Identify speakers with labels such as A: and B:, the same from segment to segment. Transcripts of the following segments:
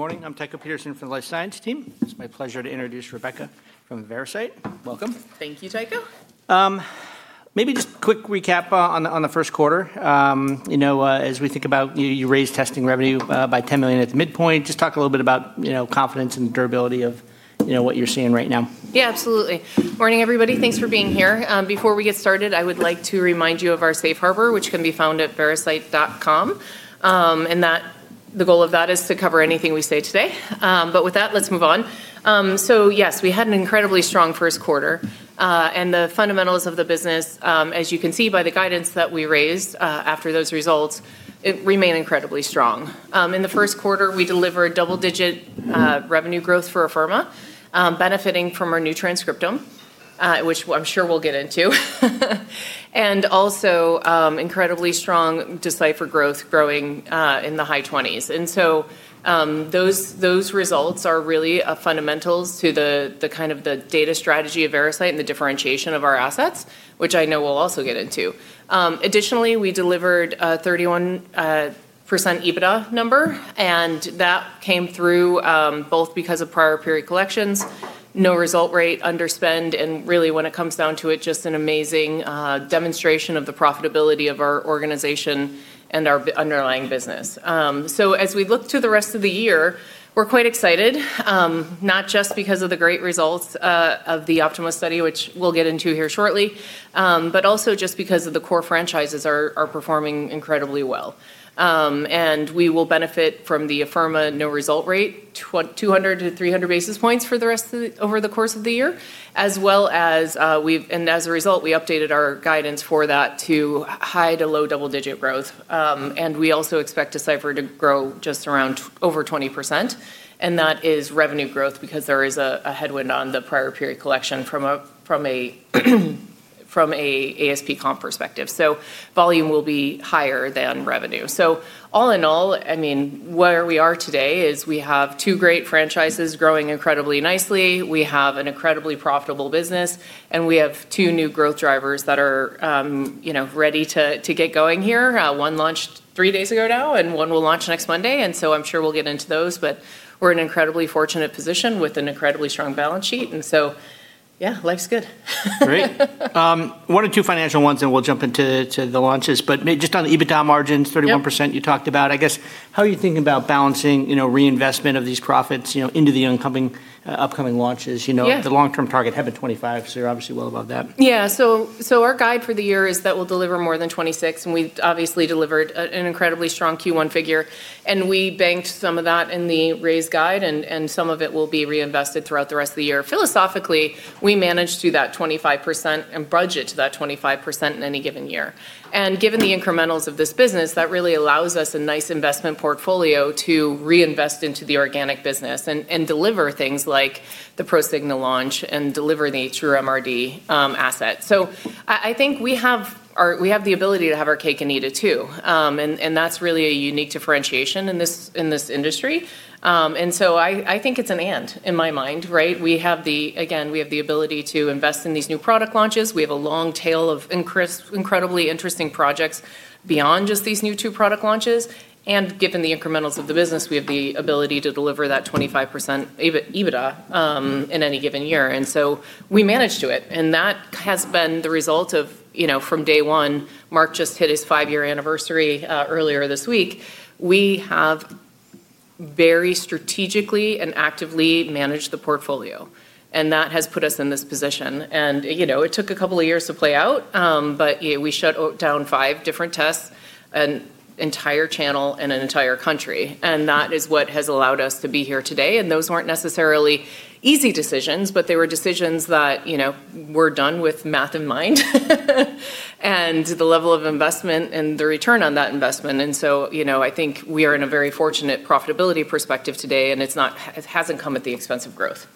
A: Good morning. I'm Tycho Peterson from the Life Science Team. It's my pleasure to introduce Rebecca from Veracyte. Welcome.
B: Thank you, Tycho.
A: Maybe just a quick recap on the first quarter, as we think about you raised testing revenue by $10 million at the midpoint. Just talk a little bit about confidence and durability of what you're seeing right now.
B: Yeah, absolutely. Morning, everybody. Thanks for being here. Before we get started, I would like to remind you of our safe harbor, which can be found at veracyte.com. The goal of that is to cover anything we say today. With that, let's move on. Yes, we had an incredibly strong first quarter. The fundamentals of the business, as you can see by the guidance that we raised after those results, remain incredibly strong. In the first quarter, we delivered double-digit revenue growth for Afirma, benefiting from our new transcriptome, which I'm sure we'll get into. Also, incredibly strong Decipher growth, growing in the high 20s. Those results are really fundamentals to the kind of the data strategy of Veracyte and the differentiation of our assets, which I know we'll also get into. Additionally, we delivered a 31% EBITDA number, and that came through both because of prior period collections, no result rate underspend, and really when it comes down to it, just an amazing demonstration of the profitability of our organization and our underlying business. As we look to the rest of the year, we're quite excited, not just because of the great results of the OPTIMA study, which we'll get into here shortly, but also just because of the core franchises are performing incredibly well. We will benefit from the Afirma no result rate, 200-300 basis points over the course of the year. As a result, we updated our guidance for that to high to low double-digit growth. We also expect Decipher to grow just around over 20%, and that is revenue growth because there is a headwind on the prior period collection from a ASP comp perspective, so volume will be higher than revenue. All in all, where we are today is we have two great franchises growing incredibly nicely, we have an incredibly profitable business, and we have two new growth drivers that are ready to get going here. One launched three days ago now, one will launch next Monday, I'm sure we'll get into those. We're in an incredibly fortunate position with an incredibly strong balance sheet. Yeah, life's good.
A: Great. One or two financial ones, we'll jump into the launches. Maybe just on the EBITDA margins.
B: Yep
A: 31% you talked about, I guess, how are you thinking about balancing reinvestment of these profits into the upcoming launches?
B: Yeah.
A: The long-term target had been 25%, you're obviously well above that.
B: Yeah. Our guide for the year is that we'll deliver more than 26%, and we obviously delivered an incredibly strong Q1 figure. We banked some of that in the raised guide, and some of it will be reinvested throughout the rest of the year. Philosophically, we manage to that 25% and budget to that 25% in any given year. Given the incrementals of this business, that really allows us a nice investment portfolio to reinvest into the organic business and deliver things like the Prosigna launch and deliver the TrueMRD asset. I think we have the ability to have our cake and eat it too, and that's really a unique differentiation in this industry. I think it's an and in my mind, right? Again, we have the ability to invest in these new product launches. We have a long tail of incredibly interesting projects beyond just these new two product launches. Given the incrementals of the business, we have the ability to deliver that 25% EBITDA in any given year, we manage to it. That has been the result of from day one, Marc just hit his five-year anniversary earlier this week. We have very strategically and actively managed the portfolio, and that has put us in this position. It took a couple of years to play out, we shut down five different tests, an entire channel, an entire country, that is what has allowed us to be here today. Those weren't necessarily easy decisions, they were decisions that were done with math in mind and the level of investment and the return on that investment. I think we are in a very fortunate profitability perspective today, and it hasn't come at the expense of growth.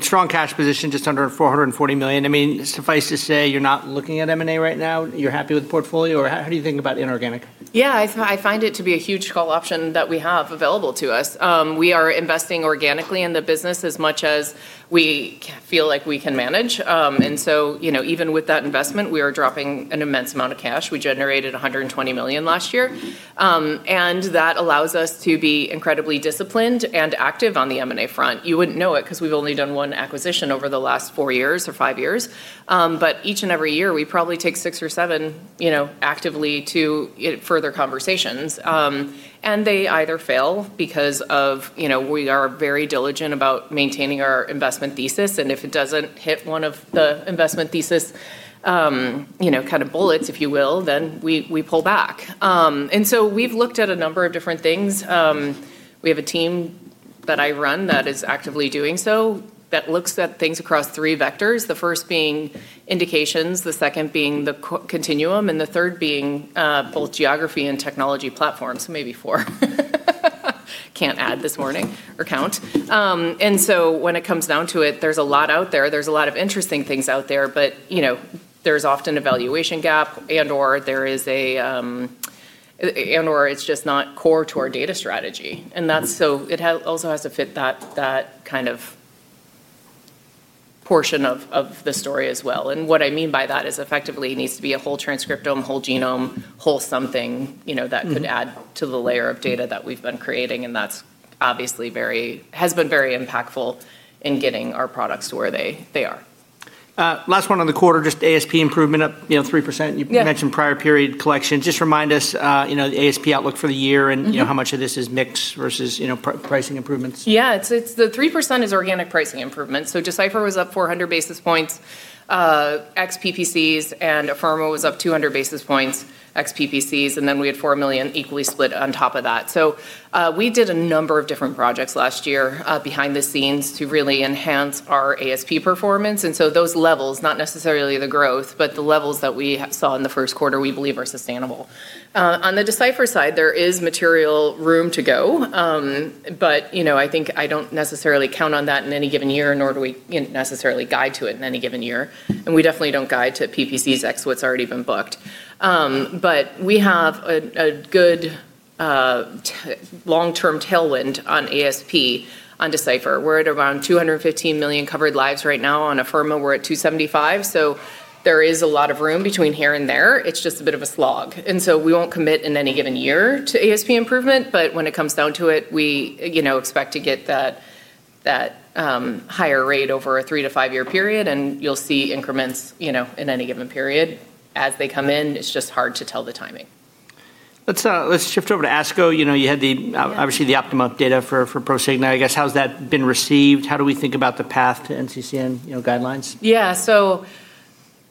A: Strong cash position, just under $440 million. Suffice to say you're not looking at M&A right now. You're happy with the portfolio, or how do you think about inorganic?
B: Yeah, I find it to be a huge call option that we have available to us. We are investing organically in the business as much as we feel like we can manage. Even with that investment, we are dropping an immense amount of cash. We generated $120 million last year. That allows us to be incredibly disciplined and active on the M&A front. You wouldn't know it because we've only done one acquisition over the last four years or five years. Each and every year, we probably take six or seven actively to further conversations. They either fail because of we are very diligent about maintaining our investment thesis, and if it doesn't hit one of the investment thesis kind of bullets, if you will, then we pull back. We've looked at a number of different things. We have a team that I run that is actively doing so, that looks at things across three vectors, the first being indications, the second being the continuum, and the third being both geography and technology platforms, so maybe four. Can't add this morning or count. When it comes down to it, there's a lot out there. There's a lot of interesting things out there, but there's often a valuation gap and/or it's just not core to our data strategy. That's so it also has to fit that kind of portion of the story as well. What I mean by that is effectively it needs to be a whole-transcriptome, whole genome, whole something- that could add to the layer of data that we've been creating, and that's obviously been very impactful in getting our products to where they are.
A: Last one on the quarter, just ASP improvement up 3%.
B: Yeah.
A: You mentioned prior period collections. Just remind us the ASP outlook for the year? How much of this is mix versus pricing improvements?
B: Yeah. The 3% is organic pricing improvements. Decipher was up 400 basis points ex-PPCs, and Afirma was up 200 basis points ex-PPCs, and then we had $4 million equally split on top of that. We did a number of different projects last year behind the scenes to really enhance our ASP performance. Those levels, not necessarily the growth, but the levels that we saw in the first quarter we believe are sustainable. On the Decipher side, there is material room to go. I think I don't necessarily count on that in any given year, nor do we necessarily guide to it in any given year, and we definitely don't guide to PPC ex what's already been booked. We have a good long-term tailwind on ASP on Decipher. We're at around 215 million covered lives right now. On Afirma, we're at 275. There is a lot of room between here and there. It's just a bit of a slog. We won't commit in any given year to ASP improvement, but when it comes down to it, we expect to get that higher rate over a three- to five-year period, and you'll see increments in any given period as they come in. It's just hard to tell the timing.
A: Let's shift over to ASCO.
B: Yeah
A: Obviously the OPTIMA data for Prosigna, I guess. How has that been received? How do we think about the path to NCCN guidelines?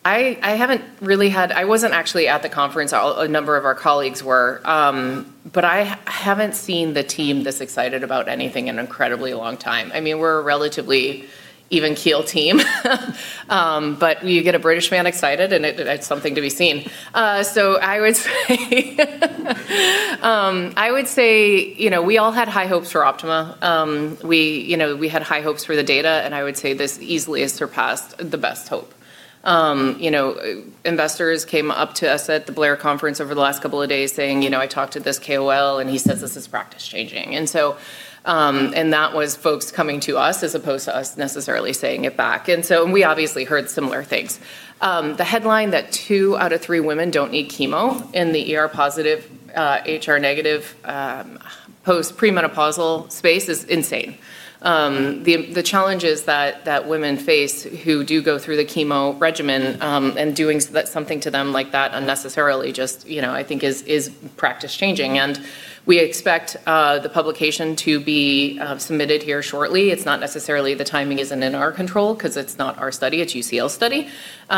B: I wasn't actually at the conference. A number of our colleagues were. I haven't seen the team this excited about anything in an incredibly long time. We're a relatively even keel team, but you get a British man excited and it's something to be seen. I would say we all had high hopes for OPTIMA. We had high hopes for the data, and I would say this easily has surpassed the best hope. Investors came up to us at the Blair Conference over the last couple of days saying, "I talked to this KOL, and he says this is practice-changing." That was folks coming to us as opposed to us necessarily saying it back. We obviously heard similar things. The headline that two out of three women don't need chemo in the ER-positive, HR-negative post premenopausal space is insane. The challenges that women face who do go through the chemo regimen, and doing something to them like that unnecessarily just I think is practice-changing. We expect the publication to be submitted here shortly. It's not necessarily the timing isn't in our control because it's not our study, it's UCL's study.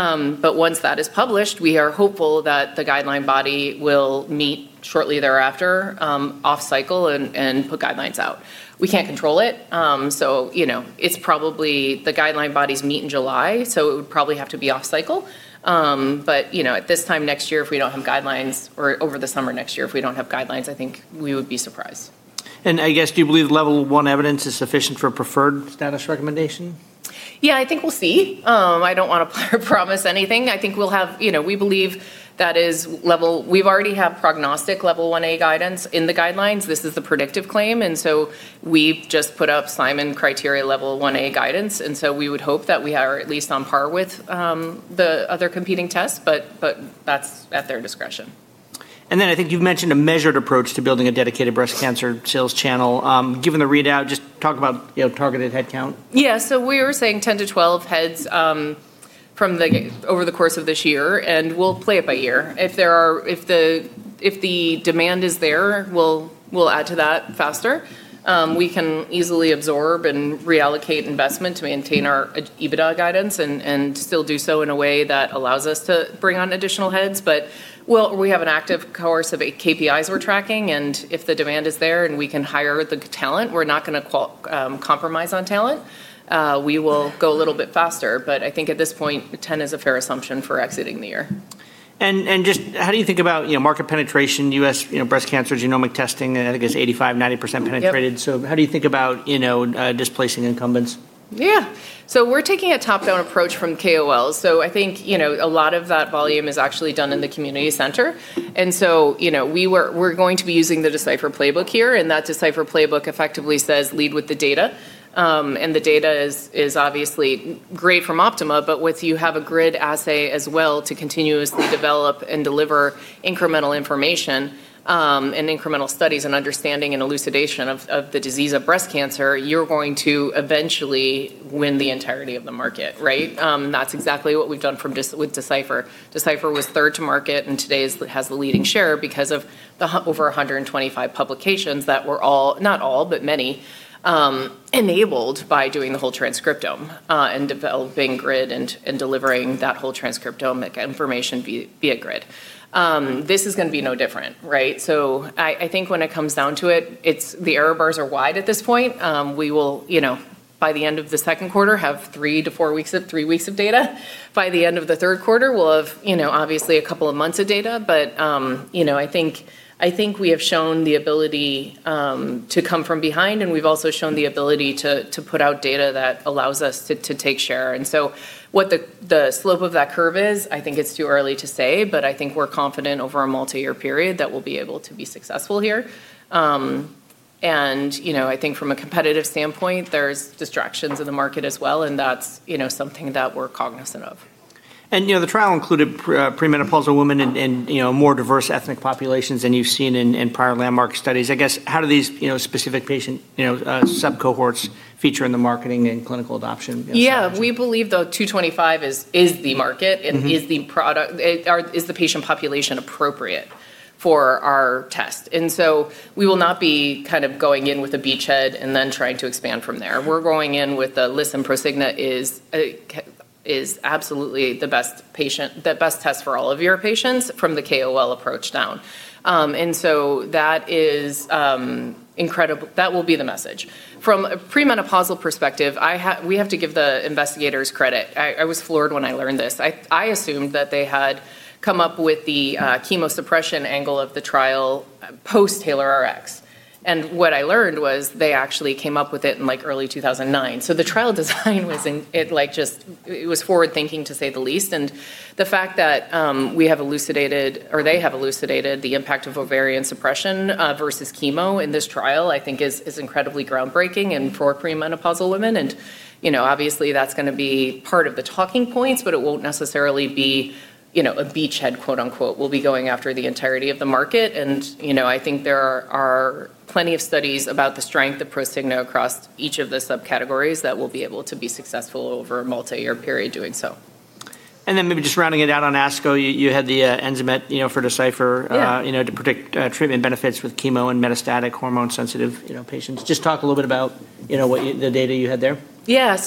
B: Once that is published, we are hopeful that the guideline body will meet shortly thereafter off cycle and put guidelines out. We can't control it's probably the guideline bodies meet in July, so it would probably have to be off cycle. At this time next year if we don't have guidelines, or over the summer next year if we don't have guidelines, I think we would be surprised.
A: I guess, do you believe level 1 evidence is sufficient for a preferred status recommendation?
B: I think we'll see. I don't want to prepromise anything. We already have Prognostic Level 1A guidance in the guidelines. This is the predictive claim. We've just put up Simon Criteria Level 1A guidance. We would hope that we are at least on par with the other competing tests, but that's at their discretion.
A: I think you've mentioned a measured approach to building a dedicated breast cancer sales channel. Given the readout, just talk about targeted headcount.
B: We were saying 10 to 12 heads over the course of this year, and we'll play it by ear. If the demand is there, we'll add to that faster. We can easily absorb and reallocate investment to maintain our EBITDA guidance and still do so in a way that allows us to bring on additional heads. We have an active cohort of KPIs we're tracking, and if the demand is there and we can hire the talent, we're not going to compromise on talent. We will go a little bit faster. I think at this point, 10 is a fair assumption for exiting the year.
A: Just how do you think about market penetration, U.S. breast cancer genomic testing? I think it's 85%-90% penetrated.
B: Yep.
A: How do you think about displacing incumbents?
B: Yeah. We're taking a top-down approach from KOLs. I think a lot of that volume is actually done in the community center. We're going to be using the Decipher playbook here, and that Decipher playbook effectively says lead with the data. The data is obviously great from OPTIMA, but once you have a GRID assay as well to continuously develop and deliver incremental information, and incremental studies, and understanding, and elucidation of the disease of breast cancer, you're going to eventually win the entirety of the market, right? That's exactly what we've done with Decipher. Decipher was third to market, and today it has the leading share because of the over 125 publications that were all, not all, but many, enabled by doing the whole transcriptome, and developing GRID and delivering that whole transcriptomic information via GRID. This is going to be no different, right? I think when it comes down to it, the error bars are wide at this point. We will, by the end of the second quarter, have three to four weeks, three weeks of data. By the end of the third quarter, we'll have obviously a couple of months of data. I think we have shown the ability to come from behind, and we've also shown the ability to put out data that allows us to take share. What the slope of that curve is, I think it's too early to say, but I think we're confident over a multi-year period that we'll be able to be successful here. I think from a competitive standpoint, there's distractions in the market as well, and that's something that we're cognizant of.
A: The trial included premenopausal women and more diverse ethnic populations than you've seen in prior landmark studies. I guess, how do these specific patient sub-cohorts feature in the marketing and clinical adoption discussion?
B: Yeah. We believe the 225 is the market and is the patient population appropriate for our test. We will not be going in with a beachhead and then trying to expand from there. We're going in with a list and Prosigna is absolutely the best test for all of your patients from the KOL approach down. That will be the message. From a premenopausal perspective, we have to give the investigators credit. I was floored when I learned this. I assumed that they had come up with the chemo suppression angle of the trial post-TAILORx. What I learned was they actually came up with it in early 2009. The trial design was forward-thinking, to say the least. The fact that they have elucidated the impact of ovarian suppression versus chemo in this trial, I think is incredibly groundbreaking and for premenopausal women. Obviously that's going to be part of the talking points, but it won't necessarily be a "beachhead," quote-unquote. We'll be going after the entirety of the market, and I think there are plenty of studies about the strength of Prosigna across each of the subcategories that we'll be able to be successful over a multi-year period doing so.
A: Then maybe just rounding it out on ASCO, you had the ENZAMET for Decipher-
B: Yeah
A: to predict treatment benefits with chemo and metastatic hormone-sensitive patients. Just talk a little bit about the data you had there.
B: Yeah.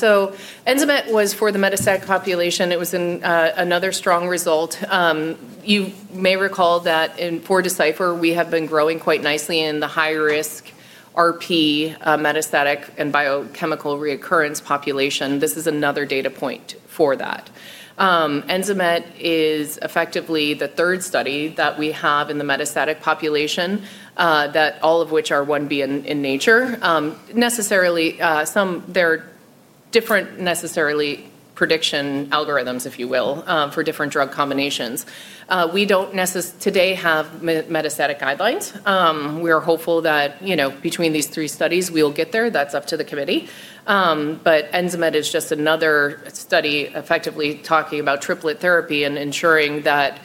B: ENZAMET was for the metastatic population. It was another strong result. You may recall that for Decipher, we have been growing quite nicely in the high-risk RP metastatic and biochemical recurrence population. This is another data point for that. ENZAMET is effectively the third study that we have in the metastatic population, all of which are phase I-B in nature. There are different necessarily prediction algorithms, if you will, for different drug combinations. We don't today have metastatic guidelines. We are hopeful that between these three studies, we will get there. That's up to the committee. ENZAMET is just another study effectively talking about triplet therapy and ensuring that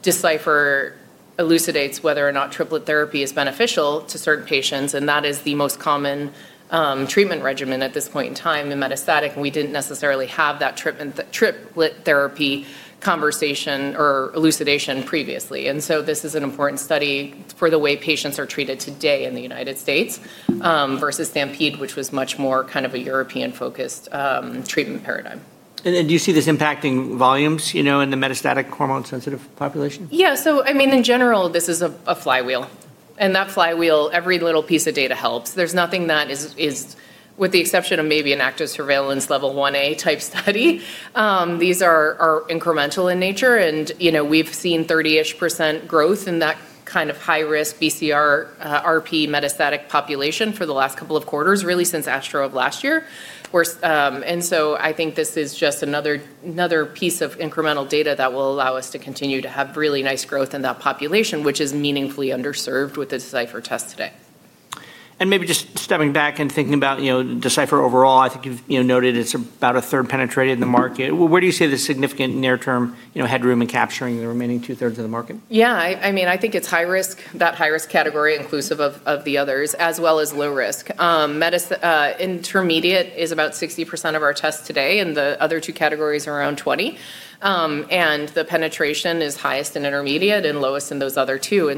B: Decipher elucidates whether or not triplet therapy is beneficial to certain patients, and that is the most common treatment regimen at this point in time in metastatic, and we didn't necessarily have that triplet therapy conversation or elucidation previously. This is an important study for the way patients are treated today in the U.S. versus STAMPEDE, which was much more a European-focused treatment paradigm.
A: Do you see this impacting volumes in the metastatic hormone-sensitive population?
B: Yeah. In general, this is a flywheel, and that flywheel, every little piece of data helps. There's nothing that is, with the exception of maybe an active surveillance Level 1A type study, these are incremental in nature, and we've seen 30-ish% growth in that kind of high-risk BCR RP metastatic population for the last couple of quarters, really since ASTRO of last year. I think this is just another piece of incremental data that will allow us to continue to have really nice growth in that population, which is meaningfully underserved with the Decipher test today.
A: Maybe just stepping back and thinking about Decipher overall, I think you've noted it's about a third penetrated in the market. Where do you see the significant near-term headroom in capturing the remaining two-thirds of the market?
B: Yeah. I think it's high-risk, that high-risk category inclusive of the others, as well as low-risk. Intermediate is about 60% of our tests today, the other two categories are around 20. The penetration is highest in intermediate and lowest in those other two.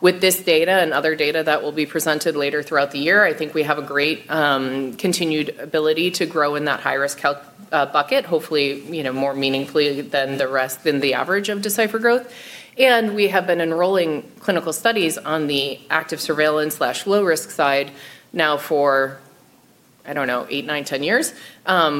B: With this data and other data that will be presented later throughout the year, I think we have a great continued ability to grow in that high-risk bucket. Hopefully, more meaningfully than the average of Decipher growth. We have been enrolling clinical studies on the active surveillance/low-risk side now for, I don't know, eight, nine, 10 years,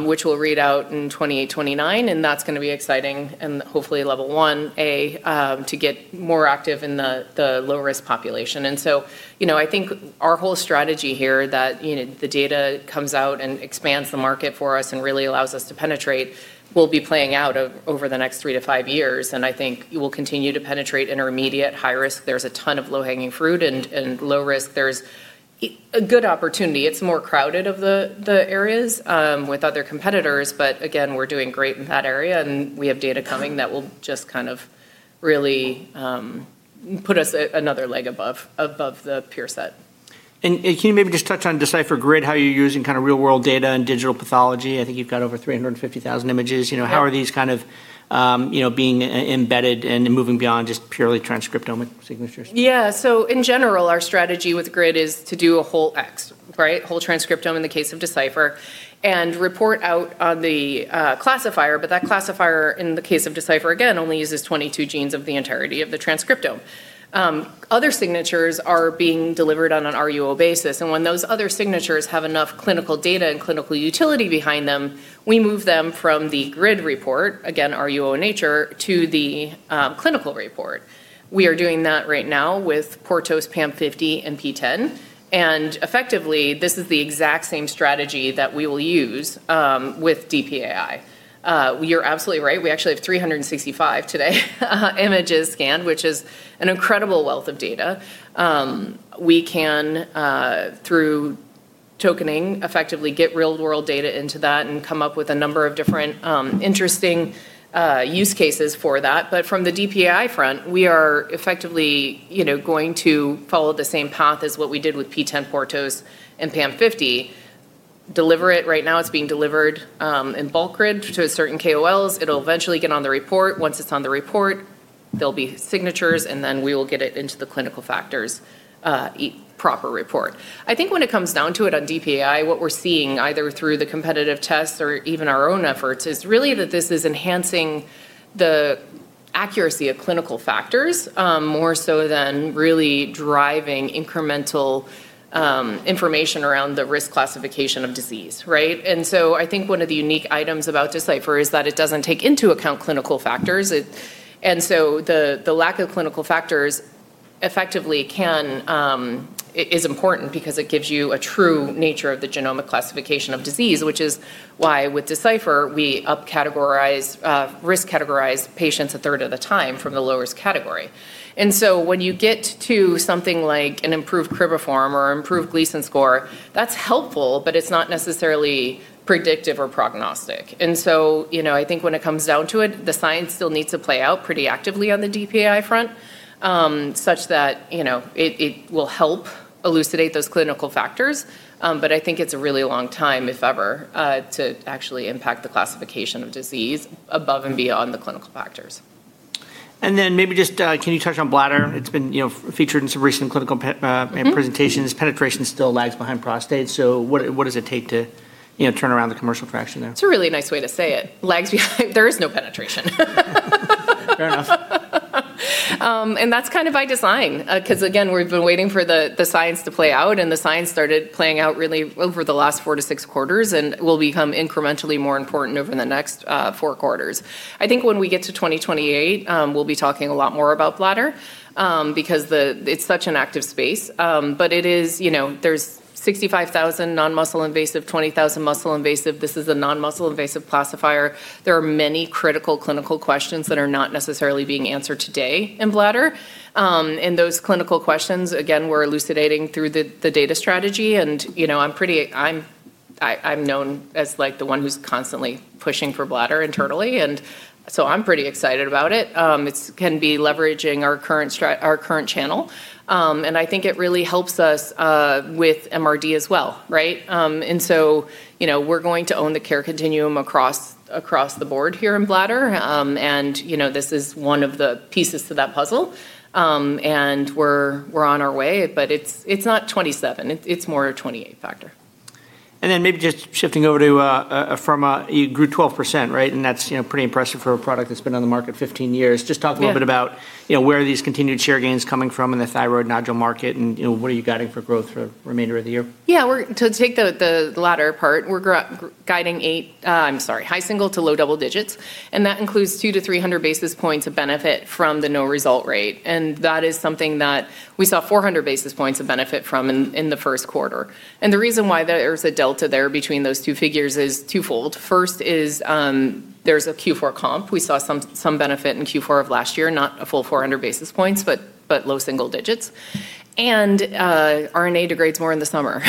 B: which we'll read out in 2028, 2029, and that's going to be exciting and hopefully Level 1A to get more active in the low-risk population. I think our whole strategy here that the data comes out and expands the market for us and really allows us to penetrate will be playing out over the next three to five years. I think we will continue to penetrate intermediate, high risk. There's a ton of low-hanging fruit and low risk. There's a good opportunity. It's more crowded of the areas with other competitors. Again, we're doing great in that area. We have data coming that will just really put us another leg above the peer set.
A: Can you maybe just touch on Decipher GRID, how you're using real-world data and digital pathology? I think you've got over 350,000 images.
B: Yeah.
A: How are these being embedded and moving beyond just purely transcriptomic signatures?
B: Yeah. In general, our strategy with GRID is to do a whole X, right? Whole-transcriptome in the case of Decipher, report out on the classifier, that classifier, in the case of Decipher, again, only uses 22 genes of the entirety of the whole-transcriptome. Other signatures are being delivered on an RUO basis, when those other signatures have enough clinical data and clinical utility behind them, we move them from the GRID report, again, RUO in nature, to the clinical report. We are doing that right now with PORTOS, PAM50, and PTEN. Effectively, this is the exact same strategy that we will use with DPAI. You're absolutely right. We actually have 365 today images scanned, which is an incredible wealth of data. We can through, tokening, effectively get real-world data into that and come up with a number of different interesting use cases for that. From the DPI front, we are effectively going to follow the same path as what we did with PTEN, PORTOS, and PAM50. Deliver it. Right now, it's being delivered in bulk GRID to certain KOLs. It'll eventually get on the report. Once it's on the report, there'll be signatures, then we will get it into the clinical factors proper report. I think when it comes down to it on DPI, what we're seeing, either through the competitive tests or even our own efforts, is really that this is enhancing the accuracy of clinical factors more so than really driving incremental information around the risk classification of disease. Right? I think one of the unique items about Decipher is that it doesn't take into account clinical factors. The lack of clinical factors effectively is important because it gives you a true nature of the genomic classification of disease, which is why with Decipher, we risk-categorize patients a third of the time from the lowest category. When you get to something like an improved cribriform or improved Gleason score, that's helpful, but it's not necessarily predictive or prognostic. I think when it comes down to it, the science still needs to play out pretty actively on the DPAI front, such that it will help elucidate those clinical factors. I think it's a really long time, if ever, to actually impact the classification of disease above and beyond the clinical factors.
A: Maybe just can you touch on bladder? It's been featured in some recent clinical presentations. Penetration still lags behind prostate. What does it take to turn around the commercial traction there?
B: That's a really nice way to say it. Lags behind. There is no penetration.
A: Fair enough.
B: That's by design, because again, we've been waiting for the science to play out, and the science started playing out really over the last four to six quarters and will become incrementally more important over the next four quarters. I think when we get to 2028, we'll be talking a lot more about bladder, because it's such an active space. There's 65,000 non-muscle invasive, 20,000 muscle invasive. This is a non-muscle invasive classifier. There are many critical clinical questions that are not necessarily being answered today in bladder. Those clinical questions, again, we're elucidating through the data strategy, and I'm known as the one who's constantly pushing for bladder internally. I'm pretty excited about it. It can be leveraging our current channel. I think it really helps us with MRD as well, right? We're going to own the care continuum across the board here in bladder. This is one of the pieces to that puzzle. We're on our way, but it's not 2027. It's more a 2028 factor.
A: Maybe just shifting over to Afirma. You grew 12%, right? That's pretty impressive for a product that's been on the market 15 years. Just talk a little-
B: Yeah
A: bit about where are these continued share gains coming from in the thyroid nodule market, and what are you guiding for growth for the remainder of the year?
B: Yeah. To take the latter part, we're guiding high single to low double digits, that includes 200-300 basis points of benefit from the no result rate. That is something that we saw 400 basis points of benefit from in the first quarter. The reason why there's a delta there between those two figures is twofold. First is there's a Q4 comp. We saw some benefit in Q4 of last year, not a full 400 basis points, but low single digits. RNA degrades more in the summer.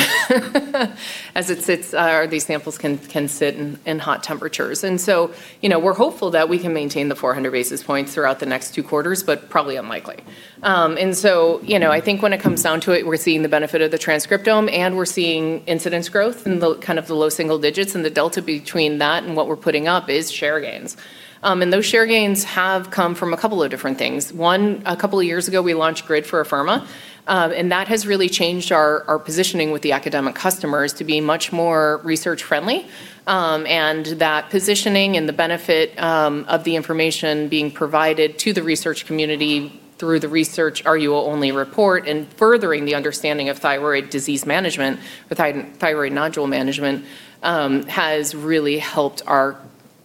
B: These samples can sit in hot temperatures. We're hopeful that we can maintain the 400 basis points throughout the next two quarters, but probably unlikely. I think when it comes down to it, we're seeing the benefit of the transcriptome, and we're seeing incidence growth in the low single digits, and the delta between that and what we're putting up is share gains. Those share gains have come from a couple of different things. One, a couple of years ago, we launched GRID for Afirma, and that has really changed our positioning with the academic customers to be much more research-friendly. That positioning and the benefit of the information being provided to the research community through the research RUO-only report and furthering the understanding of thyroid disease management with thyroid nodule management, has really helped our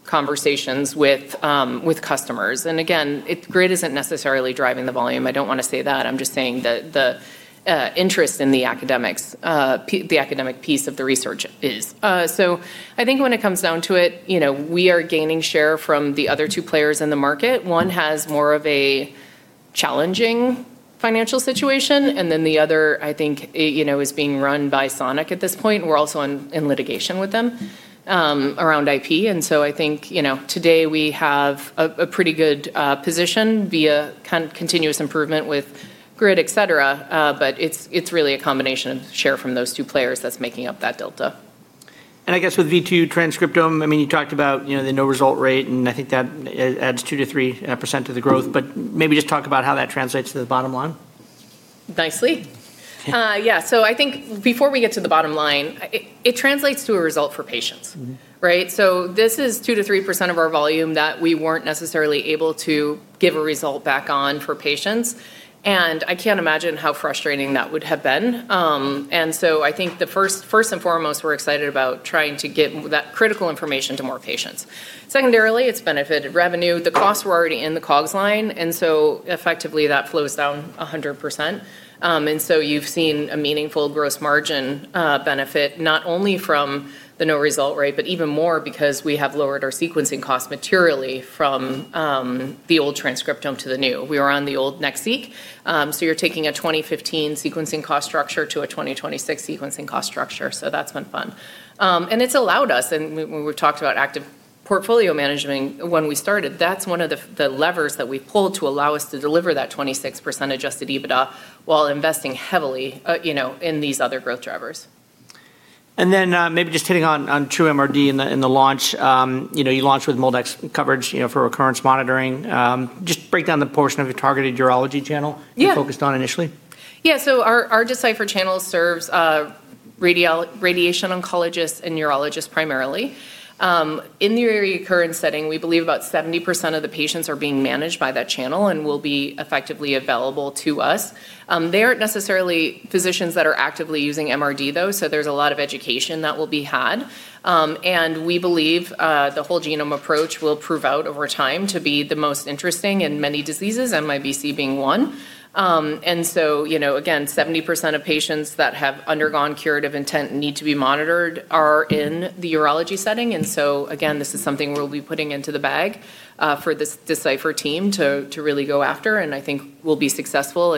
B: conversations with customers. Again, GRID isn't necessarily driving the volume. I don't want to say that. I'm just saying that the interest in the academic piece of the research is. I think when it comes down to it, we are gaining share from the other two players in the market. One has more of a challenging financial situation, and then the other, I think, is being run by Sonic at this point, and we're also in litigation with them around IP. I think today we have a pretty good position via continuous improvement with GRID, et cetera. It's really a combination of share from those two players that's making up that delta.
A: I guess with V2 transcriptome, you talked about the no result rate, and I think that adds 2% to 3% of the growth, but maybe just talk about how that translates to the bottom line.
B: Nicely. Yeah. I think before we get to the bottom line, it translates to a result for patients. Right. This is 2% to 3% of our volume that we weren't necessarily able to give a result back on for patients, and I can't imagine how frustrating that would have been. I think first and foremost, we're excited about trying to get that critical information to more patients. Secondarily, it's benefited revenue. The costs were already in the COGS line, and so effectively that flows down 100%. You've seen a meaningful gross margin benefit, not only from the no result rate, but even more because we have lowered our sequencing cost materially from the old transcriptome to the new. We were on the old NextSeq. You're taking a 2015 sequencing cost structure to a 2026 sequencing cost structure. That's been fun. It's allowed us, and when we've talked about active portfolio management when we started, that's one of the levers that we pulled to allow us to deliver that 26% adjusted EBITDA while investing heavily in these other growth drivers.
A: Maybe just hitting on TrueMRD in the launch. You launched with MolDX coverage for recurrence monitoring. Just break down the portion of your targeted urology channel?
B: Yeah
A: you focused on initially.
B: Yeah. Our Decipher channel serves radiation oncologists and urologists primarily. In the recurrence setting, we believe about 70% of the patients are being managed by that channel and will be effectively available to us. They aren't necessarily physicians that are actively using MRD, though, there's a lot of education that will be had. We believe the whole genome approach will prove out over time to be the most interesting in many diseases, MIBC being one. Again, 70% of patients that have undergone curative intent need to be monitored are in the urology setting, again, this is something we'll be putting into the bag for this Decipher team to really go after, I think we'll be successful.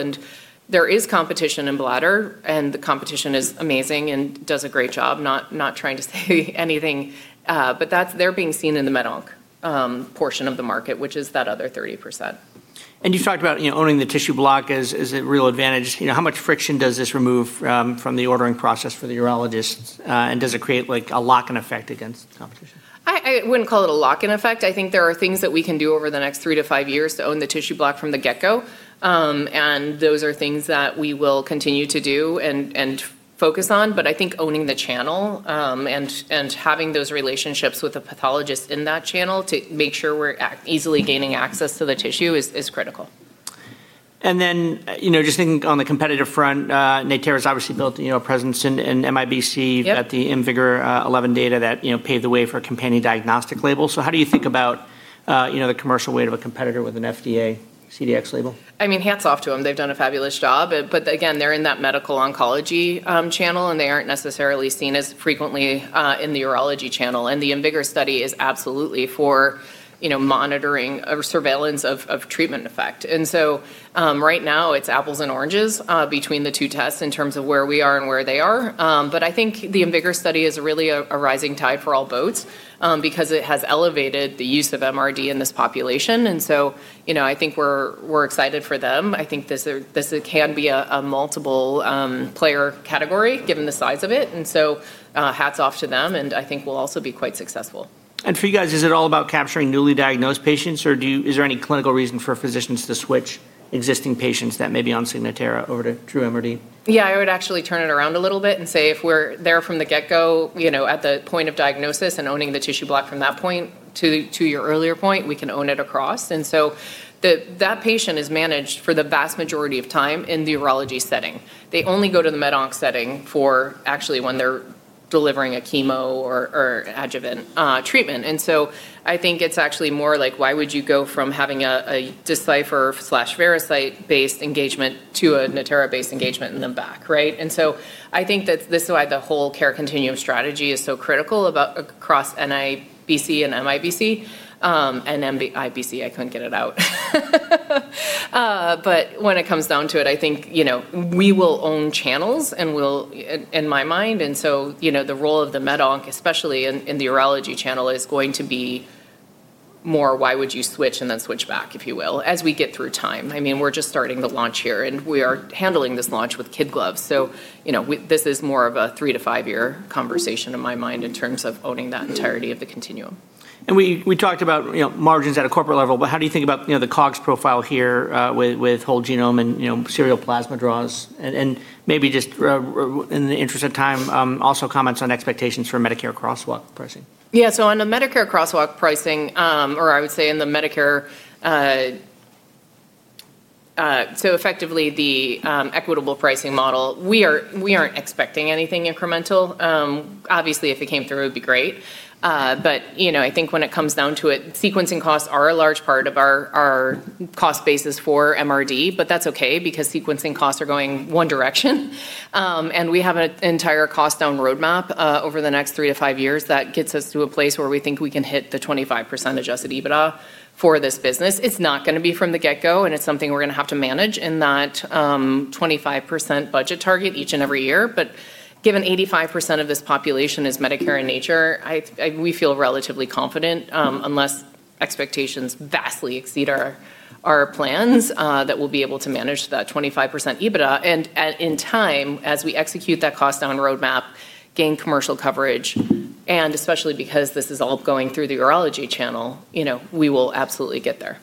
B: There is competition in bladder, the competition is amazing and does a great job. Not trying to say anything, but they're being seen in the med onc portion of the market, which is that other 30%.
A: You've talked about owning the tissue block as a real advantage. How much friction does this remove from the ordering process for the urologists, and does it create a lock-in effect against the competition?
B: I wouldn't call it a lock-in effect. I think there are things that we can do over the next three to five years to own the tissue block from the get-go. Those are things that we will continue to do and focus on. I think owning the channel, and having those relationships with the pathologists in that channel to make sure we're easily gaining access to the tissue is critical.
A: Just thinking on the competitive front, Natera's obviously built a presence in MIBC-
B: Yep
A: at the IMvigor011 data that paved the way for a companion diagnostic label. How do you think about the commercial weight of a competitor with an FDA CDx label?
B: Hats off to them. They've done a fabulous job. Again, they're in that medical oncology channel, and they aren't necessarily seen as frequently in the urology channel. The IMvigor011 study is absolutely for monitoring or surveillance of treatment effect. Right now it's apples and oranges between the two tests in terms of where we are and where they are. I think the IMvigor011 study is really a rising tide for all boats, because it has elevated the use of MRD in this population. I think we're excited for them. I think this can be a multiple-player category given the size of it, and so hats off to them, and I think we'll also be quite successful.
A: For you guys, is it all about capturing newly diagnosed patients, or is there any clinical reason for physicians to switch existing patients that may be on Signatera over to TrueMRD?
B: Yeah, I would actually turn it around a little bit and say if we're there from the get-go, at the point of diagnosis and owning the tissue block from that point, to your earlier point, we can own it across. That patient is managed for the vast majority of time in the urology setting. They only go to the med onc setting for actually when they're delivering a chemo or adjuvant treatment. I think it's actually more like why would you go from having a Decipher/Veracyte-based engagement to a Natera-based engagement and then back, right? I think that this is why the whole care continuum strategy is so critical across NMIBC and MIBC. MIBC, I couldn't get it out. When it comes down to it, I think, we will own channels in my mind, and so the role of the med onc, especially in the urology channel, is going to be more why would you switch and then switch back, if you will, as we get through time. We're just starting the launch here, and we are handling this launch with kid gloves. This is more of a three- to five-year conversation in my mind in terms of owning that entirety of the continuum.
A: We talked about margins at a corporate level, but how do you think about the COGS profile here with whole genome and serial plasma draws? Maybe just in the interest of time, also comments on expectations for Medicare crosswalk pricing?
B: Yeah. On the Medicare crosswalk pricing, or I would say in the Medicare, effectively the equitable pricing model, we aren't expecting anything incremental. Obviously if it came through, it would be great. I think when it comes down to it, sequencing costs are a large part of our cost basis for MRD, that's okay because sequencing costs are going one direction. We have an entire cost-down roadmap over the next three to five years that gets us to a place where we think we can hit the 25% adjusted EBITDA for this business. It's not going to be from the get-go, it's something we're going to have to manage in that 25% budget target each and every year. Given 85% of this population is Medicare in nature, we feel relatively confident, unless expectations vastly exceed our plans, that we'll be able to manage that 25% EBITDA. In time, as we execute that cost-down roadmap, gain commercial coverage, and especially because this is all going through the urology channel, we will absolutely get there.